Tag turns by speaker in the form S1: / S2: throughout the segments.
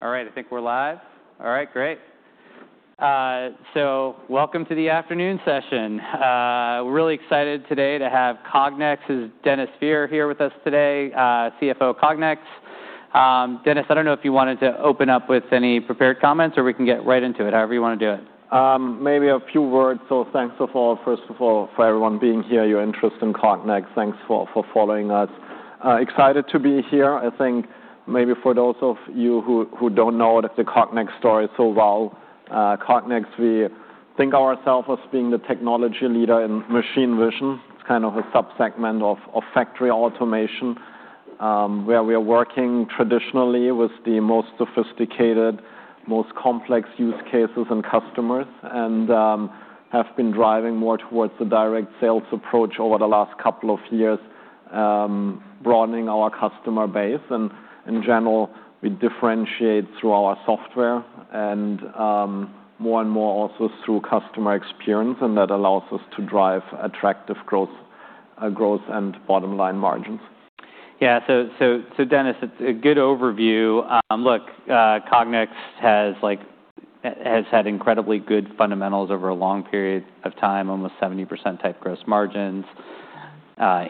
S1: All right, I think we're live. All right, great. So welcome to the afternoon session. We're really excited today to have Cognex's Dennis Fehr here with us today, CFO of Cognex. Dennis, I don't know if you wanted to open up with any prepared comments, or we can get right into it, however you want to do it.
S2: Maybe a few words. So thanks to all, first of all, for everyone being here, your interest in Cognex. Thanks for following us. Excited to be here. I think maybe for those of you who don't know the Cognex story so well, Cognex, we think of ourselves as being the technology leader in machine vision. It's kind of a subsegment of factory automation where we are working traditionally with the most sophisticated, most complex use cases and customers, and have been driving more towards the direct sales approach over the last couple of years, broadening our customer base, and in general, we differentiate through our software and more and more also through customer experience, and that allows us to drive attractive growth and bottom line margins. Yeah. So Dennis, it's a good overview. Look, Cognex has had incredibly good fundamentals over a long period of time, almost 70% type gross margins.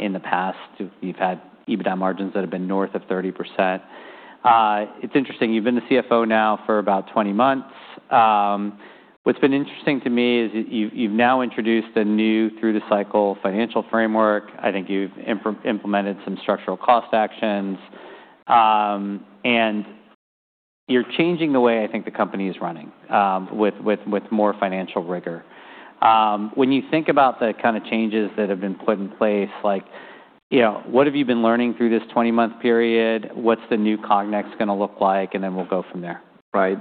S2: In the past, we've had EBITDA margins that have been north of 30%. It's interesting. You've been the CFO now for about 20 months. What's been interesting to me is you've now introduced a new through-the-cycle financial framework. I think you've implemented some structural cost actions. And you're changing the way I think the company is running with more financial rigor. When you think about the kind of changes that have been put in place, what have you been learning through this 20-month period? What's the new Cognex going to look like? And then we'll go from there. Right.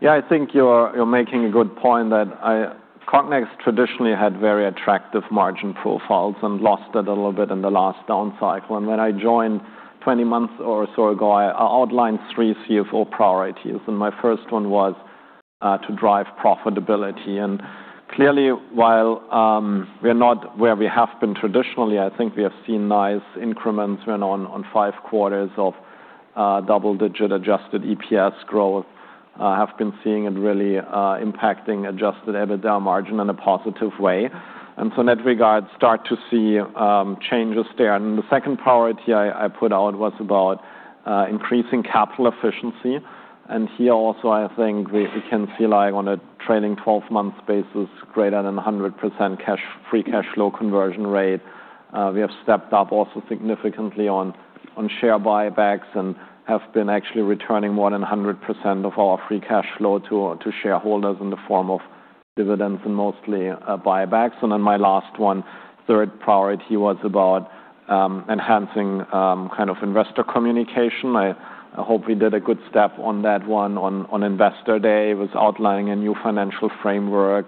S2: Yeah, I think you're making a good point that Cognex traditionally had very attractive margin profiles and lost it a little bit in the last down cycle. And when I joined 20 months or so ago, I outlined three CFO priorities, and my first one was to drive profitability. And clearly, while we are not where we have been traditionally, I think we have seen nice increments. We're now on five quarters of double-digit Adjusted EPS growth. I have been seeing it really impacting Adjusted EBITDA margin in a positive way. And so in that regard, I start to see changes there. And the second priority I put out was about increasing capital efficiency. And here also, I think we can see on a trailing 12-month basis, greater than 100% free cash flow conversion rate. We have stepped up also significantly on share buybacks and have been actually returning more than 100% of our free cash flow to shareholders in the form of dividends and mostly buybacks. And then my last one, third priority was about enhancing kind of investor communication. I hope we did a good step on that one on Investor Day. It was outlining a new financial framework,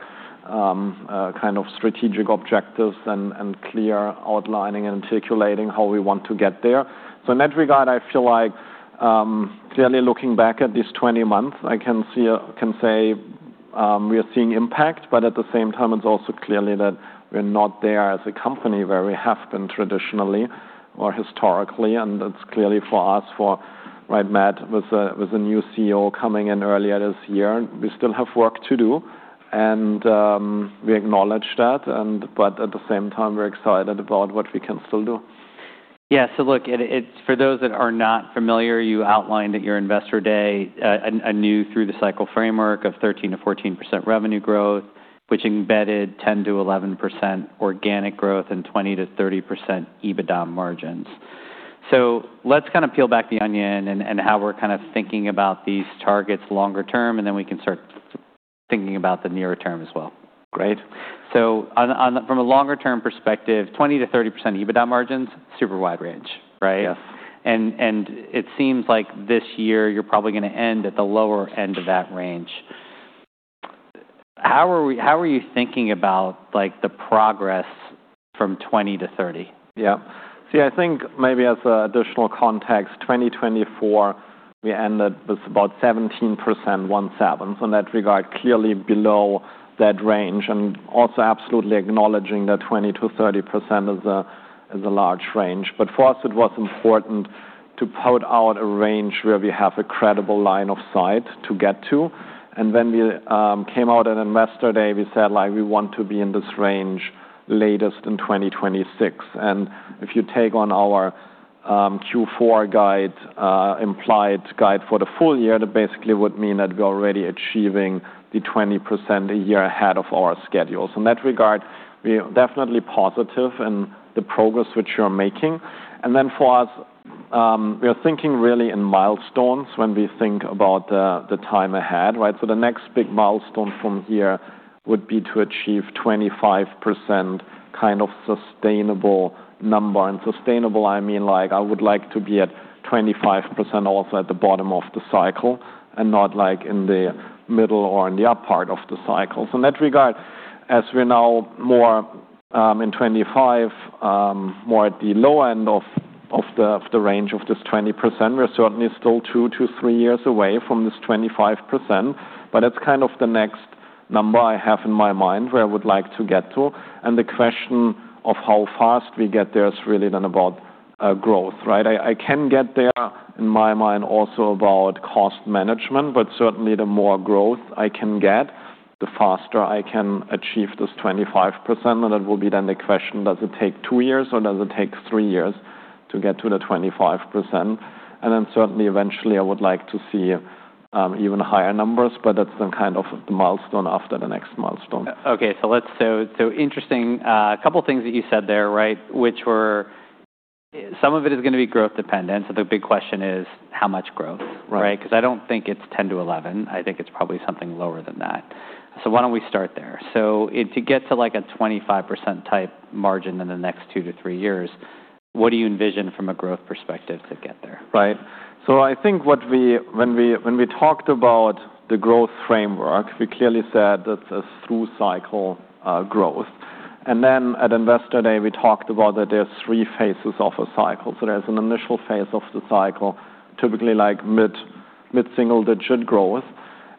S2: kind of strategic objectives and clear outlining and articulating how we want to get there. So in that regard, I feel like clearly looking back at these 20 months, I can say we are seeing impact, but at the same time, it's also clearly that we're not there as a company where we have been traditionally or historically. And it's clearly for us, right, Matt, with a new CEO coming in earlier this year, we still have work to do. And we acknowledge that. But at the same time, we're excited about what we can still do. Yeah. So look, for those that are not familiar, you outlined at your Investor Day a new through-the-cycle framework of 13%-14% revenue growth, which embedded 10%-11% organic growth and 20%-30% EBITDA margins. So let's kind of peel back the onion and how we're kind of thinking about these targets longer term, and then we can start thinking about the nearer term as well. Great. So from a longer term perspective, 20%-30% EBITDA margins, super wide range, right? Yes. It seems like this year you're probably going to end at the lower end of that range. How are you thinking about the progress from 20% to 30%? Yeah. See, I think maybe as additional context, 2024, we ended with about 17% on segments. In that regard, clearly below that range, and also absolutely acknowledging that 20%-30% is a large range. But for us, it was important to put out a range where we have a credible line of sight to get to, and when we came out on investor day, we said, "We want to be in this range latest in 2026." And if you take our Q4 guide, implied guide for the full year, that basically would mean that we're already achieving the 20% a year ahead of our schedules. In that regard, we are definitely positive in the progress which we are making, and then for us, we are thinking really in milestones when we think about the time ahead, right? The next big milestone from here would be to achieve 25% kind of sustainable number. Sustainable, I mean, I would like to be at 25% also at the bottom of the cycle and not in the middle or in the upper part of the cycle. In that regard, as we're now more at 25%, more at the low end of the range of this 20%, we're certainly still two to three years away from this 25%. That's kind of the next number I have in my mind where I would like to get to. The question of how fast we get there is really then about growth, right? I can get there, in my mind, also about cost management, but certainly the more growth I can get, the faster I can achieve this 25%. That will be then the question, does it take two years or does it take three years to get to the 25%? Then certainly, eventually, I would like to see even higher numbers, but that's then kind of the milestone after the next milestone. Okay. So interesting. A couple of things that you said there, right, which were some of it is going to be growth dependent. So the big question is how much growth, right? Because I don't think it's 10%-11%. I think it's probably something lower than that. So why don't we start there? So to get to a 25% type margin in the next two to three years, what do you envision from a growth perspective to get there? Right. So I think when we talked about the growth framework, we clearly said that it's through cycle growth. And then at Investor Day, we talked about that there are three phases of a cycle. So there's an initial phase of the cycle, typically mid-single digit growth.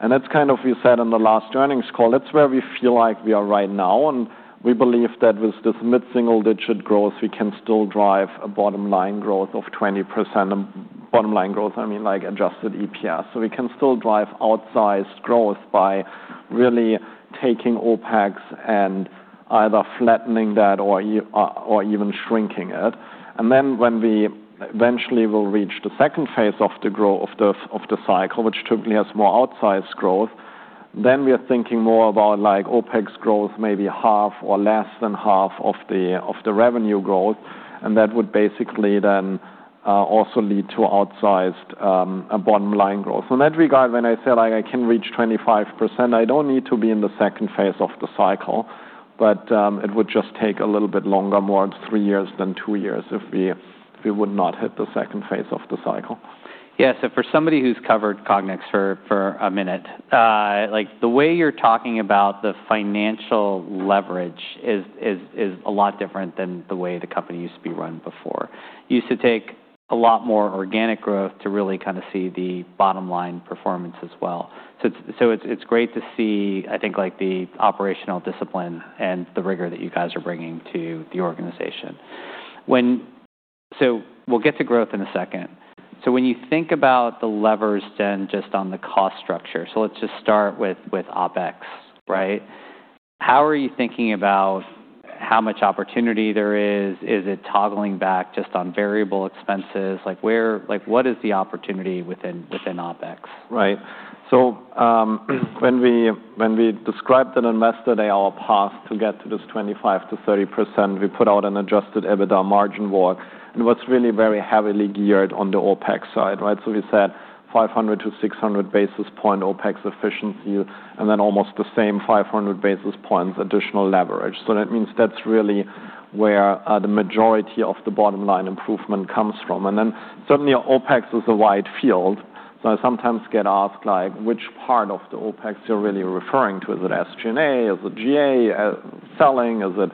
S2: And that's kind of, we said in the last earnings call, that's where we feel like we are right now. And we believe that with this mid-single digit growth, we can still drive a bottom line growth of 20%. And bottom line growth, I mean, adjusted EPS. So we can still drive outsized growth by really taking OPEX and either flattening that or even shrinking it. And then when we eventually will reach the second phase of the growth of the cycle, which typically has more outsized growth, then we are thinking more about OPEX growth, maybe half or less than half of the revenue growth. And that would basically then also lead to outsized bottom line growth. So in that regard, when I say I can reach 25%, I don't need to be in the second phase of the cycle, but it would just take a little bit longer, more three years than two years if we would not hit the second phase of the cycle. Yeah. So for somebody who's covered Cognex for a minute, the way you're talking about the financial leverage is a lot different than the way the company used to be run before. It used to take a lot more organic growth to really kind of see the bottom line performance as well. So it's great to see, I think, the operational discipline and the rigor that you guys are bringing to the organization. So we'll get to growth in a second. So when you think about the levers then just on the cost structure, so let's just start with OPEX, right? How are you thinking about how much opportunity there is? Is it toggling back just on variable expenses? What is the opportunity within OPEX? Right. So when we described at investor day our path to get to this 25%-30%, we put out an Adjusted EBITDA margin walk. And it was really very heavily geared on the OPEX side, right? So we said 500-600 basis points OPEX efficiency, and then almost the same 500 basis points additional leverage. So that means that's really where the majority of the bottom line improvement comes from. And then certainly, OPEX is a wide field. So I sometimes get asked, "Which part of the OPEX you're really referring to? Is it SG&A? Is it GA? Selling? Is it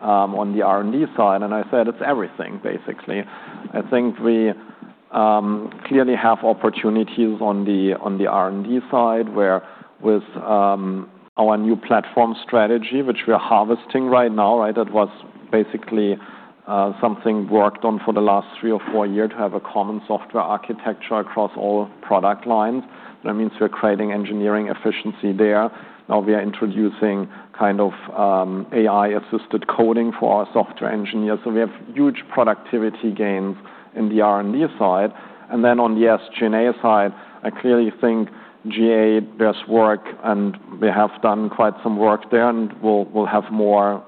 S2: on the R&D side?" And I said, "It's everything, basically." I think we clearly have opportunities on the R&D side where with our new platform strategy, which we are harvesting right now, right? That was basically something worked on for the last three or four years to have a common software architecture across all product lines. That means we're creating engineering efficiency there. Now we are introducing kind of AI-assisted coding for our software engineers. So we have huge productivity gains in the R&D side. And then on the SG&A side, I clearly think G&A, there's work, and we have done quite some work there, and we'll have more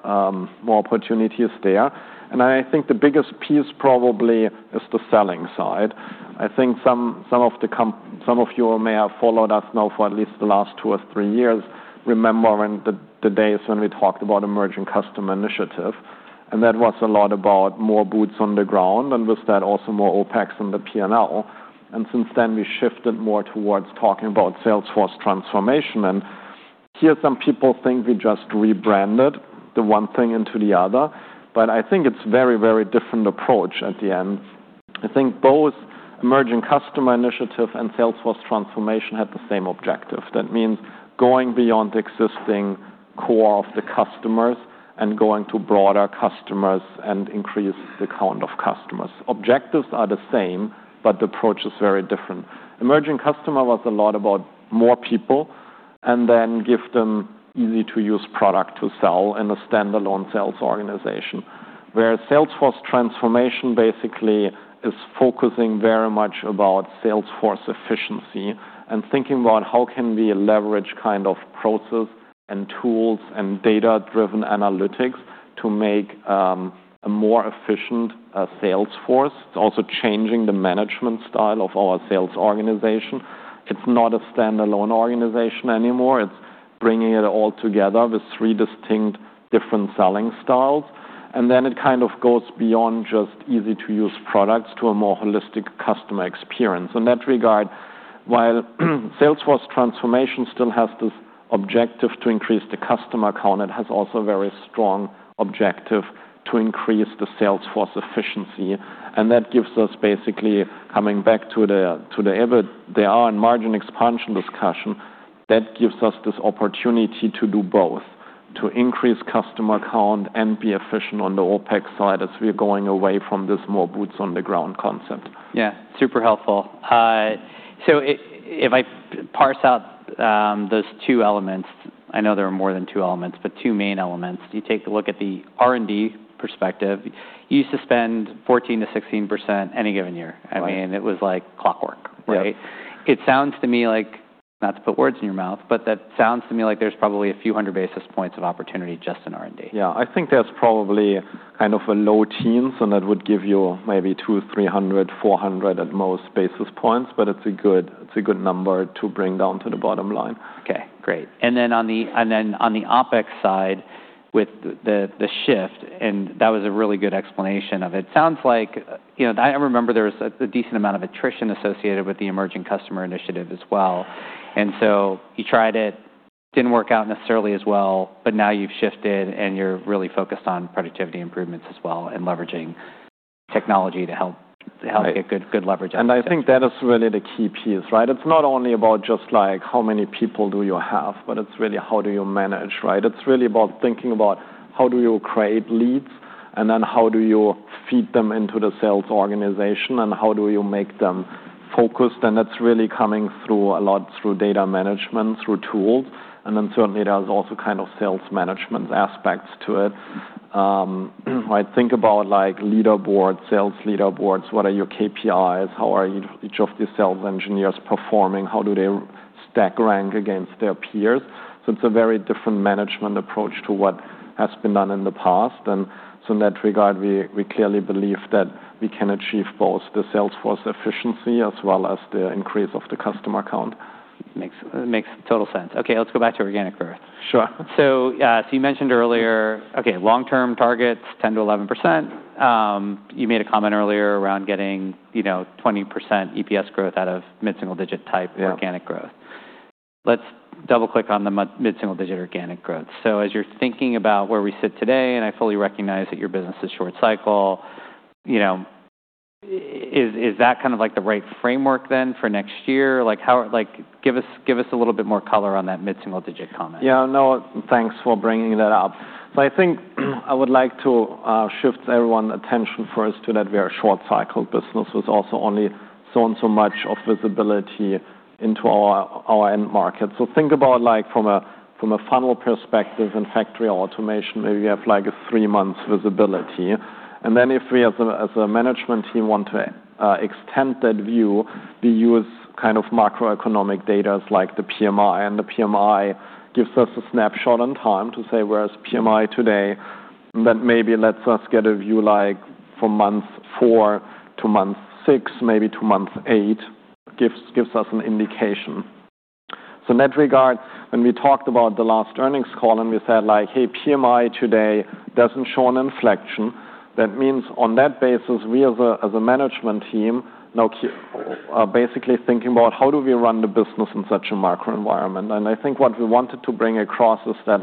S2: opportunities there. And I think the biggest piece probably is the selling side. I think some of you may have followed us now for at least the last two or three years, remembering the days when we talked about Emerging Customer Initiative. And that was a lot about more boots on the ground and with that also more OPEX and the P&L. And since then, we shifted more towards talking about Salesforce transformation. And here some people think we just rebranded the one thing into the other, but I think it's a very, very different approach at the end. I think both Emerging Customer Initiative and Sales force Transformation had the same objective. That means going beyond the existing core of the customers and going to broader customers and increase the count of customers. Objectives are the same, but the approach is very different. Emerging Customer was a lot about more people and then give them easy-to-use product to sell in a standalone sales organization. Whereas Sales force Transformation basically is focusing very much about Sales force efficiency and thinking about how can we leverage kind of process and tools and data-driven analytics to make a more efficient Sales force. It's also changing the management style of our sales organization. It's not a standalone organization anymore. It's bringing it all together with three distinct different selling styles. And then it kind of goes beyond just easy-to-use products to a more holistic customer experience. In that regard, while Sales force transformation still has this objective to increase the customer count, it has also a very strong objective to increase the Sales force efficiency. And that gives us basically, coming back to the EBITDA and margin expansion discussion, that gives us this opportunity to do both, to increase customer count and be efficient on the OPEX side as we are going away from this more boots on the ground concept. Yeah. Super helpful. So if I parse out those two elements, I know there are more than two elements, but two main elements. You take a look at the R&D perspective. You used to spend 14%-16% any given year. I mean, it was like clockwork, right? It sounds to me like, not to put words in your mouth, but that sounds to me like there's probably a few hundred basis points of opportunity just in R&D. Yeah. I think that's probably kind of a low teens, and that would give you maybe 200, 300, 400 at most basis points, but it's a good number to bring down to the bottom line. Okay. Great. And then on the OPEX side with the shift, and that was a really good explanation of it. It sounds like I remember there was a decent amount of attrition associated with the Emerging Customer Initiative as well. And so you tried it, didn't work out necessarily as well, but now you've shifted and you're really focused on productivity improvements as well and leveraging technology to help get good leverage out there. And I think that is really the key piece, right? It's not only about just how many people do you have, but it's really how do you manage, right? It's really about thinking about how do you create leads and then how do you feed them into the sales organization and how do you make them focused. And that's really coming through a lot through data management, through tools. And then certainly, there's also kind of sales management aspects to it. I think about leaderboards, sales leaderboards, what are your KPIs? How are each of the sales engineers performing? How do they stack rank against their peers? So it's a very different management approach to what has been done in the past. And so in that regard, we clearly believe that we can achieve both the Sales force efficiency as well as the increase of the customer count. Makes total sense. Okay. Let's go back to organic growth. Sure. So you mentioned earlier, okay, long-term targets, 10%-11%. You made a comment earlier around getting 20% EPS growth out of mid-single digit type organic growth. Let's double-click on the mid-single digit organic growth. So as you're thinking about where we sit today, and I fully recognize that your business is short cycle, is that kind of the right framework then for next year? Give us a little bit more color on that mid-single digit comment. Yeah. No, thanks for bringing that up. So I think I would like to shift everyone's attention first to that we are a short cycle business with also only so and so much of visibility into our end market. So think about from a funnel perspective in factory automation, maybe you have a three-month visibility. And then if we as a management team want to extend that view, we use kind of macroeconomic data like the PMI. And the PMI gives us a snapshot in time to say where is PMI today? That maybe lets us get a view for month four to month six, maybe to month eight, gives us an indication. So in that regard, when we talked about the last earnings call and we said, "Hey, PMI today doesn't show an inflection," that means on that basis, we as a management team are basically thinking about how do we run the business in such a macro environment. And I think what we wanted to bring across is that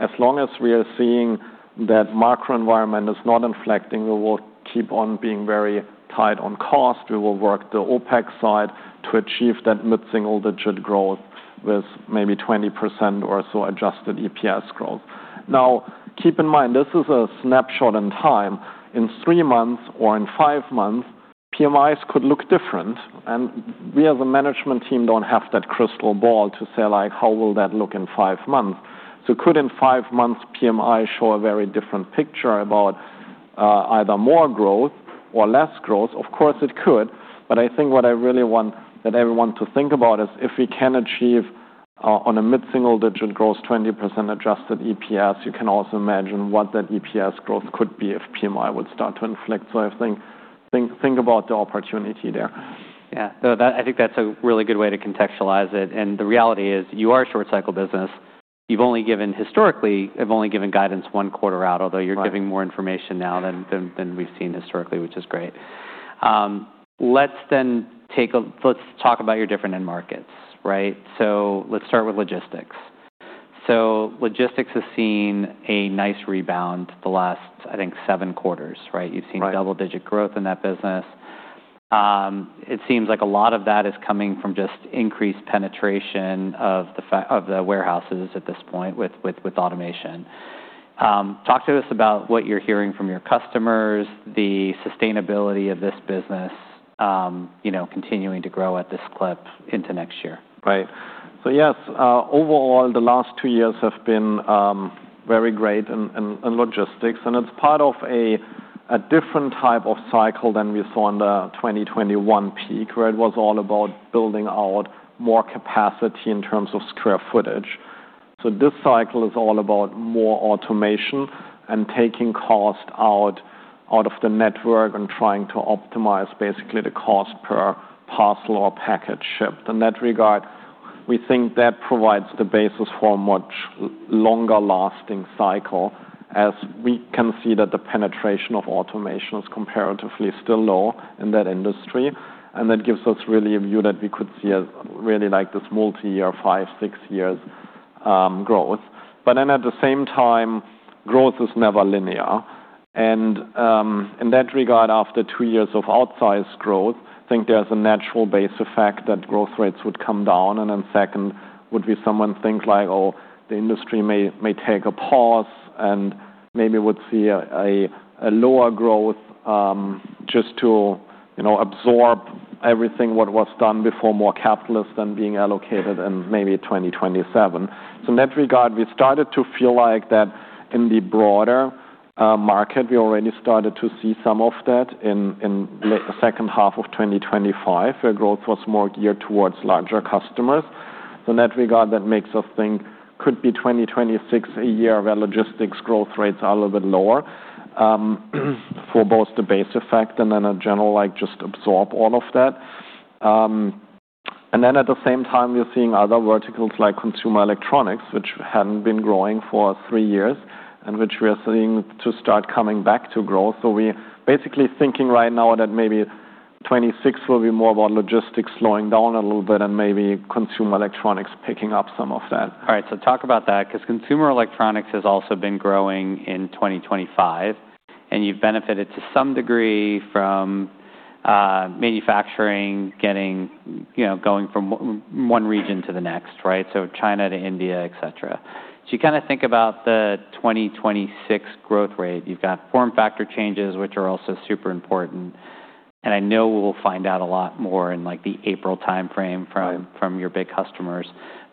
S2: as long as we are seeing that macro environment is not inflecting, we will keep on being very tight on cost. We will work the OPEX side to achieve that mid-single digit growth with maybe 20% or so adjusted EPS growth. Now, keep in mind, this is a snapshot in time. In three months or in five months, PMIs could look different. We as a management team don't have that crystal ball to say, "How will that look in five months?" So could in five months, PMI show a very different picture about either more growth or less growth? Of course, it could. But I think what I really want everyone to think about is if we can achieve on a mid-single digit growth, 20% adjusted EPS, you can also imagine what that EPS growth could be if PMI would start to inflect. So I think about the opportunity there. Yeah. I think that's a really good way to contextualize it. And the reality is you are a short cycle business. Historically, you've only given guidance one quarter out, although you're giving more information now than we've seen historically, which is great. Let's then talk about your different end markets, right? So let's start with logistics. So logistics has seen a nice rebound the last, I think, seven quarters, right? You've seen double-digit growth in that business. It seems like a lot of that is coming from just increased penetration of the warehouses at this point with automation. Talk to us about what you're hearing from your customers, the sustainability of this business continuing to grow at this clip into next year. Right. So yes, overall, the last two years have been very great in logistics, and it's part of a different type of cycle than we saw in the 2021 peak, where it was all about building out more capacity in terms of square footage. So this cycle is all about more automation and taking cost out of the network and trying to optimize basically the cost per parcel or package ship. In that regard, we think that provides the basis for a much longer-lasting cycle as we can see that the penetration of automation is comparatively still low in that industry, and that gives us really a view that we could see really this multi-year, five, six years growth, but then at the same time, growth is never linear. In that regard, after two years of outsized growth, I think there's a natural base effect that growth rates would come down. Second, would someone think like, "Oh, the industry may take a pause and maybe we'd see a lower growth just to absorb everything that was done before more capital is then being allocated in maybe 2027?" In that regard, we started to feel like that in the broader market. We already started to see some of that in the second half of 2025, where growth was more geared towards larger customers. In that regard, that makes us think 2026 could be a year where logistics growth rates are a little bit lower for both the base effect and then a general just absorb all of that. And then at the same time, we're seeing other verticals like consumer electronics, which hadn't been growing for three years and which we are seeing to start coming back to growth. So we're basically thinking right now that maybe 2026 will be more about logistics slowing down a little bit and maybe consumer electronics picking up some of that. All right. So talk about that because consumer electronics has also been growing in 2025, and you've benefited to some degree from manufacturing going from one region to the next, right? So China to India, etc. So you kind of think about the 2026 growth rate. You've got form factor changes, which are also super important. And I know we'll find out a lot more in the April time frame from your big customers.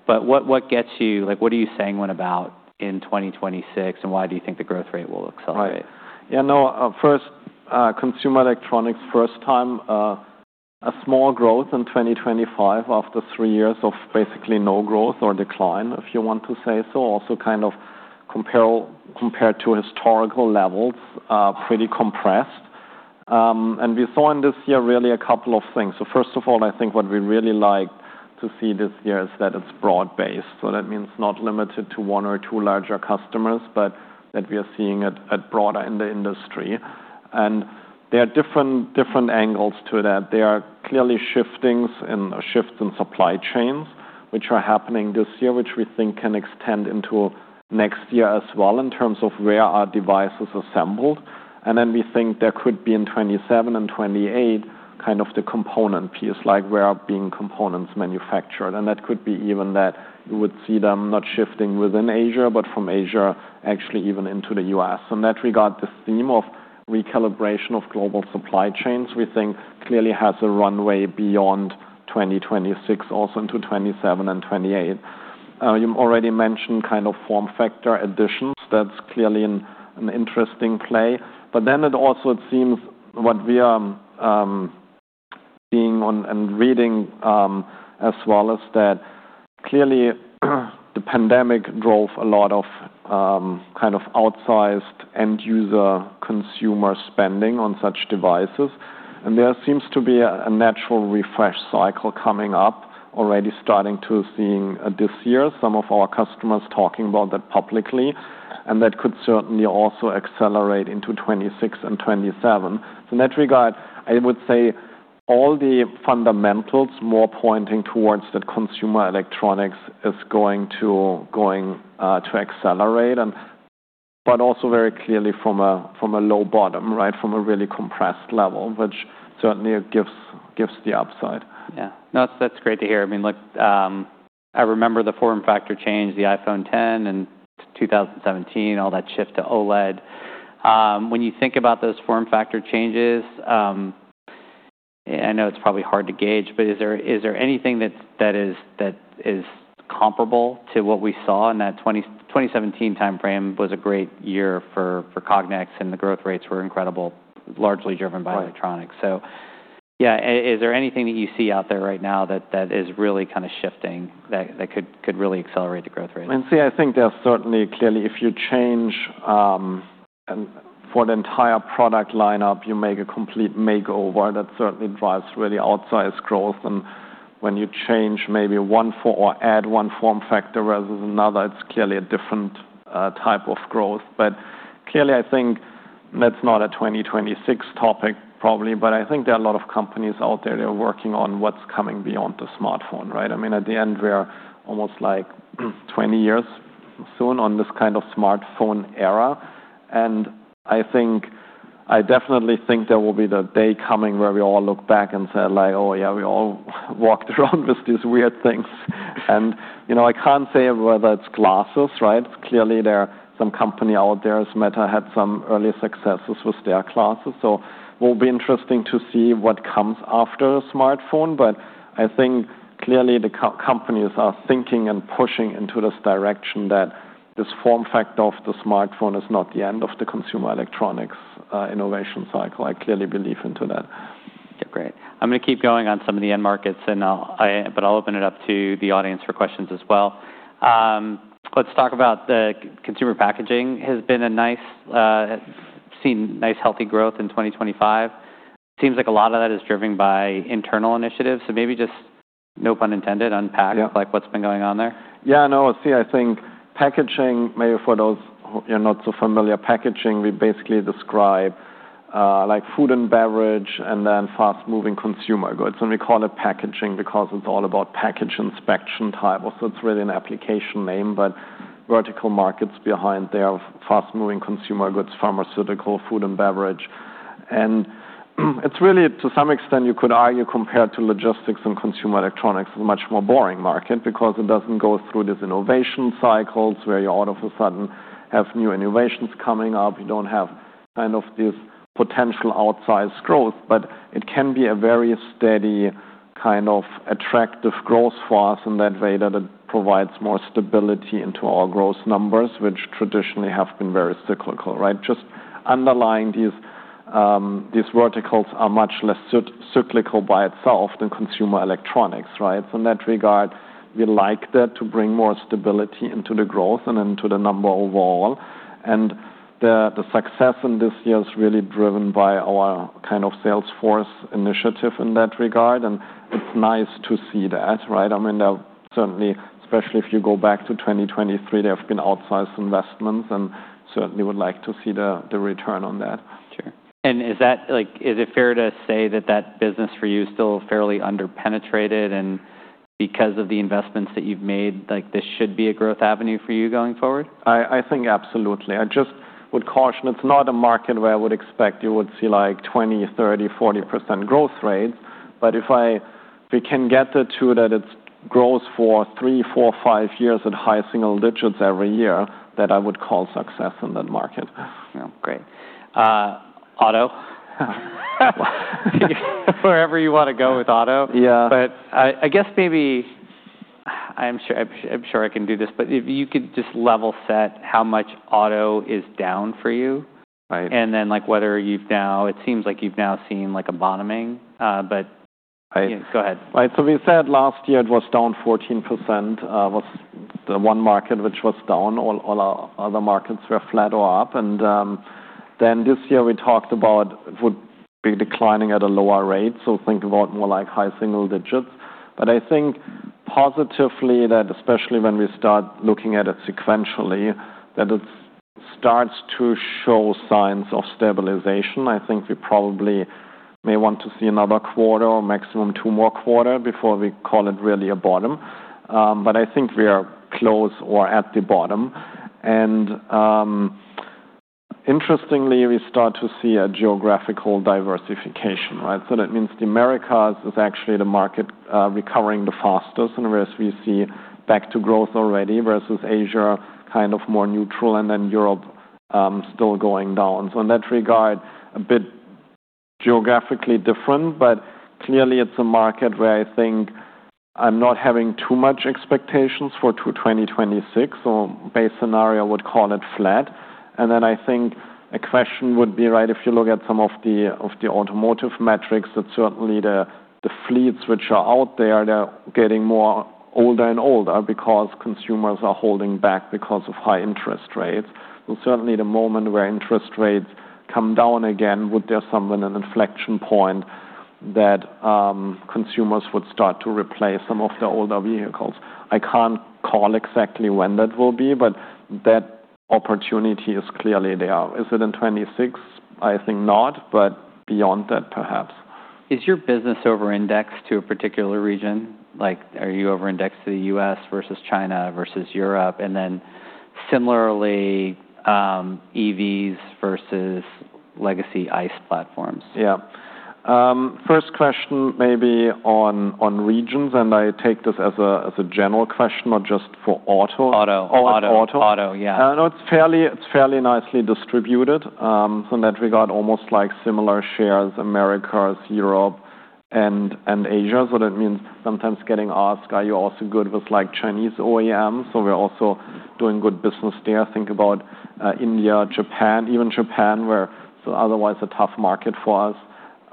S2: But what gets you what are you saying went about in 2026, and why do you think the growth rate will accelerate? Right. Yeah. No, first, consumer electronics, first time, a small growth in 2025 after three years of basically no growth or decline, if you want to say so. Also kind of compared to historical levels, pretty compressed. And we saw in this year really a couple of things. So first of all, I think what we really like to see this year is that it's broad-based. So that means not limited to one or two larger customers, but that we are seeing it broader in the industry. And there are different angles to that. There are clearly shiftings and shifts in supply chains, which are happening this year, which we think can extend into next year as well in terms of where our devices are assembled. And then we think there could be in 2027 and 2028 kind of the component piece, like where are being components manufactured. And that could be even that you would see them not shifting within Asia, but from Asia actually even into the U.S. In that regard, this theme of recalibration of global supply chains, we think clearly has a runway beyond 2026, also into 2027 and 2028. You already mentioned kind of form factor additions. That's clearly an interesting play. But then it also seems what we are seeing and reading as well is that clearly the pandemic drove a lot of kind of outsized end-user consumer spending on such devices. And there seems to be a natural refresh cycle coming up, already starting to seeing this year, some of our customers talking about that publicly. And that could certainly also accelerate into 2026 and 2027. So in that regard, I would say all the fundamentals more pointing towards that consumer electronics is going to accelerate, but also very clearly from a low bottom, right, from a really compressed level, which certainly gives the upside. Yeah. No, that's great to hear. I mean, look, I remember the form factor change, the iPhone X in 2017, all that shift to OLED. When you think about those form factor changes, I know it's probably hard to gauge, but is there anything that is comparable to what we saw in that 2017 timeframe? It was a great year for Cognex, and the growth rates were incredible, largely driven by electronics. So yeah, is there anything that you see out there right now that is really kind of shifting that could really accelerate the growth rate? See, I think there's certainly clearly if you change for the entire product lineup, you make a complete makeover. That certainly drives really outsized growth. And when you change maybe one form or add one form factor versus another, it's clearly a different type of growth. But clearly, I think that's not a 2026 topic probably, but I think there are a lot of companies out there that are working on what's coming beyond the smartphone, right? I mean, at the end, we're almost like 20 years soon on this kind of smartphone era. And I definitely think there will be the day coming where we all look back and say, "Oh yeah, we all walked around with these weird things." And I can't say whether it's glasses, right? Clearly, there are some companies out there. As Meta had some early successes with their glasses. So it will be interesting to see what comes after the smartphone. But I think clearly the companies are thinking and pushing into this direction that this form factor of the smartphone is not the end of the consumer electronics innovation cycle. I clearly believe into that. Yeah, great. I'm going to keep going on some of the end markets, but I'll open it up to the audience for questions as well. Let's talk about the consumer packaging. It has been nice. We've seen nice healthy growth in 2025. It seems like a lot of that is driven by internal initiatives. So maybe, just no pun intended, unpack what's been going on there. Yeah. No, see, I think packaging, maybe for those who are not so familiar, packaging, we basically describe food and beverage and then fast-moving consumer goods. And we call it packaging because it's all about package inspection type. Also, it's really an application name, but vertical markets behind their fast-moving consumer goods, pharmaceutical, food, and beverage. And it's really, to some extent, you could argue compared to logistics and consumer electronics, it's a much more boring market because it doesn't go through these innovation cycles where you all of a sudden have new innovations coming up. You don't have kind of this potential outsized growth, but it can be a very steady kind of attractive growth for us in that way that it provides more stability into our growth numbers, which traditionally have been very cyclical, right? Just underlying these verticals are much less cyclical by itself than consumer electronics, right? So in that regard, we like that to bring more stability into the growth and into the number overall. And the success in this year is really driven by our kind of Salesforce initiative in that regard. And it's nice to see that, right? I mean, certainly, especially if you go back to 2023, there have been outsized investments, and certainly would like to see the return on that. Sure. And is it fair to say that that business for you is still fairly under-penetrated? And because of the investments that you've made, this should be a growth avenue for you going forward? I think absolutely. I just would caution, it's not a market where I would expect you would see like 20%, 30%, 40% growth rates. But if we can get it to that it grows for three, four, five years at high single digits every year, that I would call success in that market. Great. Auto. Wherever you want to go with auto. But I guess maybe I'm sure I can do this, but if you could just level set how much auto is down for you. And then whether you've now, it seems like you've now seen a bottoming, but go ahead. Right. So we said last year it was down 14%, was the one market which was down. All our other markets were flat or up. And then this year we talked about it would be declining at a lower rate. So think about more like high single digits. But I think positively that especially when we start looking at it sequentially, that it starts to show signs of stabilization. I think we probably may want to see another quarter, maximum two more quarters before we call it really a bottom. But I think we are close or at the bottom. And interestingly, we start to see a geographical diversification, right? So that means the Americas is actually the market recovering the fastest, and whereas we see back to growth already versus Asia kind of more neutral, and then Europe still going down. So in that regard, a bit geographically different, but clearly it's a market where I think I'm not having too much expectations for 2026. So base scenario would call it flat. And then I think a question would be, right, if you look at some of the automotive metrics, that certainly the fleets which are out there, they're getting more older and older because consumers are holding back because of high interest rates. So certainly the moment where interest rates come down again, would there be some inflection point that consumers would start to replace some of the older vehicles? I can't call exactly when that will be, but that opportunity is clearly there. Is it in 2026? I think not, but beyond that perhaps. Is your business over-indexed to a particular region? Are you over-indexed to the U.S. versus China versus Europe? And then similarly, EVs versus legacy ICE platforms? Yeah. First question maybe on regions, and I take this as a general question, not just for auto. Auto, yeah. No, it's fairly nicely distributed. So in that regard, almost like similar shares, Americas, Europe, and Asia. So that means sometimes getting asked, are you also good with Chinese OEMs? So we're also doing good business there. Think about India, Japan, even Japan, where it's otherwise a tough market for us.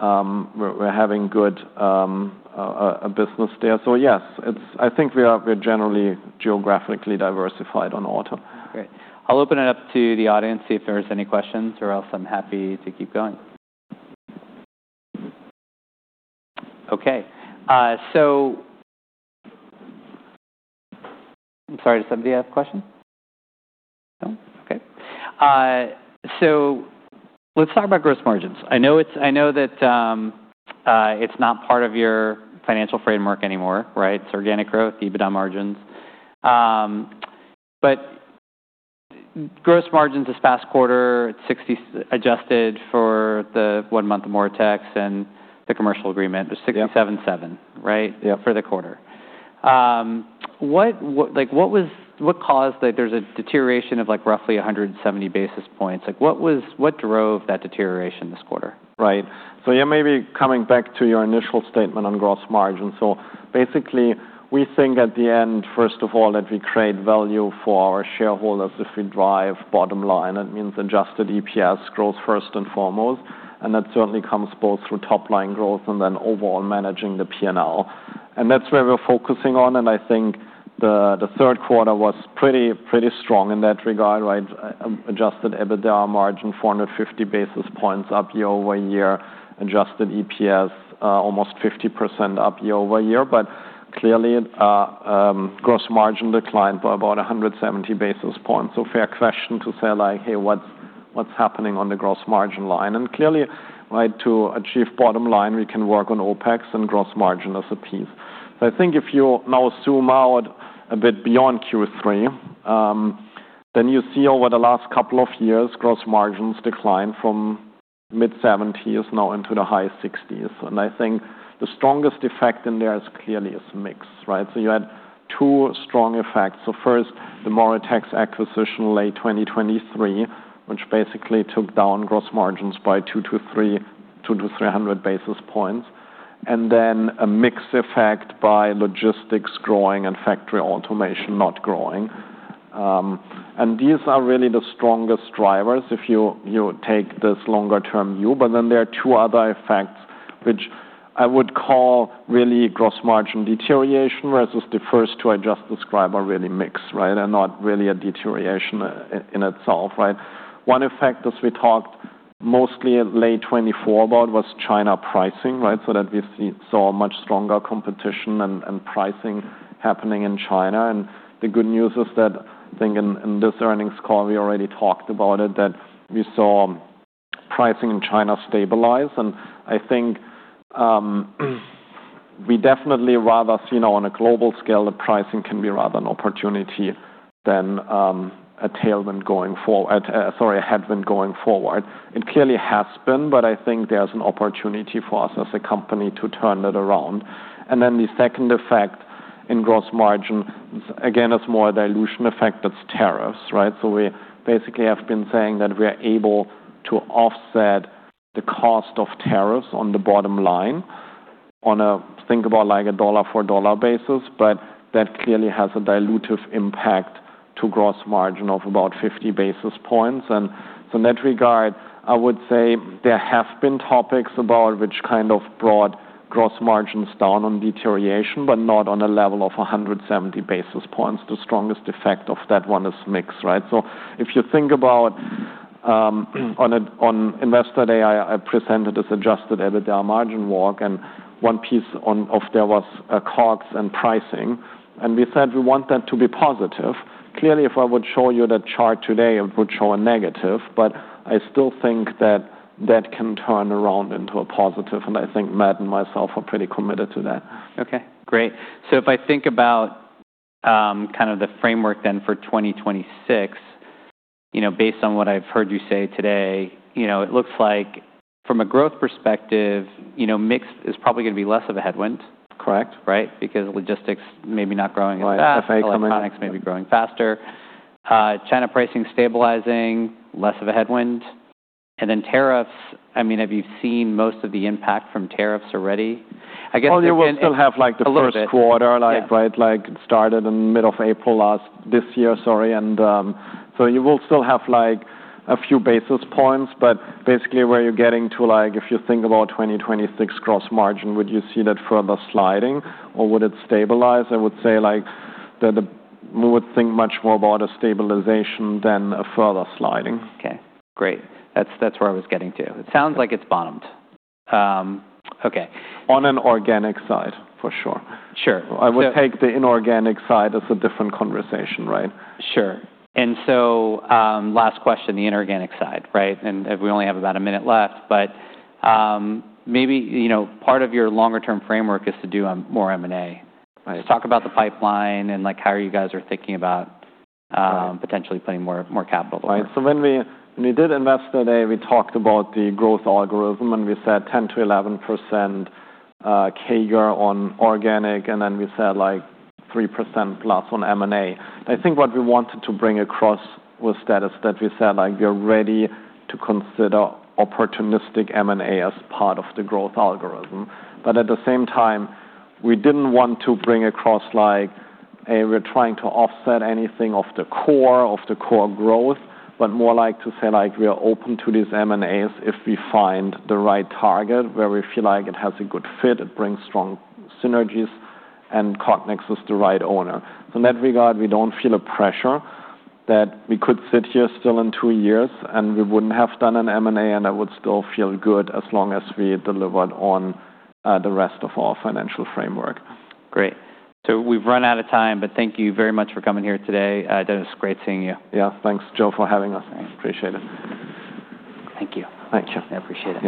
S2: We're having good business there. So yes, I think we're generally geographically diversified on auto. Great. I'll open it up to the audience if there's any questions, or else I'm happy to keep going. Okay. So I'm sorry, does somebody have a question? No? Okay. So let's talk about gross margins. I know that it's not part of your financial framework anymore, right? It's organic growth, EBITDA margins. But gross margins this past quarter, adjusted for the one-month Moritex and the commercial agreement, was 67.7%, right? Yeah. For the quarter. What caused the deterioration of roughly 170 basis points? What drove that deterioration this quarter? Right. So yeah, maybe coming back to your initial statement on gross margins. So basically, we think at the end, first of all, that we create value for our shareholders if we drive bottom line. That means adjusted EPS growth first and foremost. And that certainly comes both through top-line growth and then overall managing the P&L. And that's where we're focusing on. And I think the third quarter was pretty strong in that regard, right? Adjusted EBITDA margin, 450 basis points up year over year. Adjusted EPS, almost 50% up year-over-year. But clearly, gross margin declined by about 170 basis points. So fair question to say, like, "Hey, what's happening on the gross margin line?" And clearly, right, to achieve bottom line, we can work on OPEX and gross margin as a piece. I think if you now zoom out a bit beyond Q3, then you see over the last couple of years, gross margins declined from mid-70s% now into the high 60s%. I think the strongest effect in there is clearly a mix, right? You had two strong effects. First, the Moritex acquisition late 2023, which basically took down gross margins by 200-300 basis points. Then a mixed effect by logistics growing and factory automation not growing. These are really the strongest drivers if you take this longer-term view. But then there are two other effects, which I would call really gross margin deterioration versus the first two I just described are really mix, right? And not really a deterioration in itself, right? One effect as we talked mostly late 2024 about was China pricing, right? So that we saw much stronger competition and pricing happening in China. And the good news is that I think in this earnings call, we already talked about it, that we saw pricing in China stabilize. And I think we definitely rather see now on a global scale, the pricing can be rather an opportunity than a tailwind going forward, sorry, a headwind going forward. It clearly has been, but I think there's an opportunity for us as a company to turn that around. And then the second effect in gross margin, again, it's more a dilution effect that's tariffs, right? So we basically have been saying that we are able to offset the cost of tariffs on the bottom line on a think about like a dollar-for-dollar basis, but that clearly has a dilutive impact to gross margin of about 50 basis points. And so in that regard, I would say there have been topics about which kind of brought gross margins down on deterioration, but not on a level of 170 basis points. The strongest effect of that one is mix, right? So if you think about on Investor Day, I presented this Adjusted EBITDA margin walk, and one piece of there was COGS and pricing. And we said we want that to be positive. Clearly, if I would show you that chart today, it would show a negative, but I still think that that can turn around into a positive. And I think Matt and myself are pretty committed to that. Okay. Great. So if I think about kind of the framework then for 2026, based on what I've heard you say today, it looks like from a growth perspective, mixed is probably going to be less of a headwind, right? Because logistics may be not growing as fast. Right. If I come in. Electronics may be growing faster. China pricing stabilizing, less of a headwind. And then tariffs, I mean, have you seen most of the impact from tariffs already? I guess you can. Oh, you will still have like the first quarter, right? Like it started in mid of April last this year, sorry. So you will still have like a few basis points, but basically where you're getting to, like if you think about 2026 gross margin, would you see that further sliding or would it stabilize? I would say like we would think much more about a stabilization than a further sliding. Okay. Great. That's where I was getting to. It sounds like it's bottomed. Okay. On an organic side, for sure. Sure. I would take the inorganic side as a different conversation, right? Sure. And so last question, the inorganic side, right? And we only have about a minute left, but maybe part of your longer-term framework is to do more M&A. Talk about the pipeline and how you guys are thinking about potentially putting more capital there. Right. So when we did Investor Day, we talked about the growth algorithm, and we said 10%-11% CAGR on organic, and then we said like 3% plus on M&A. I think what we wanted to bring across with that is that we said like we're ready to consider opportunistic M&A as part of the growth algorithm. But at the same time, we didn't want to bring across like, "Hey, we're trying to offset anything of the core, of the core growth," but more like to say like we are open to these M&As if we find the right target where we feel like it has a good fit, it brings strong synergies, and Cognex is the right owner. So in that regard, we don't feel a pressure that we could sit here still in two years and we wouldn't have done an M&A, and I would still feel good as long as we delivered on the rest of our financial framework. Great. So we've run out of time, but thank you very much for coming here today. It's great seeing you. Yeah. Thanks, Joe, for having us. Thanks. Appreciate it. Thank you. Thank you. I appreciate it.